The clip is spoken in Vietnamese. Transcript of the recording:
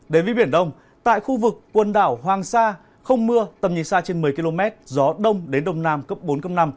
đến với biển đông tại khu vực quần đảo hoàng sa không mưa tầm nhìn xa trên một mươi km